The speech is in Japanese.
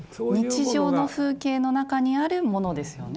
日常の風景の中にあるものですよね。